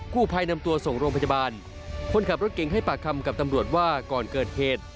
ผู้ภัยนำตัวส่งโรงพยาบาลคนขับรถเก่งให้ปากคำกับตำรวจว่าก่อนเกิดเหตุ